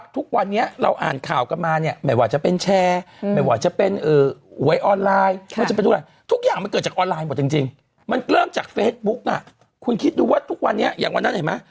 ทุกอย่างมันเกิดจากออนไลน์หมดจริงมันเริ่มจากเฟซบุ๊กนะคุณคิดดูว่าทุกวันนี้อย่างวันนั้นเห็นไหม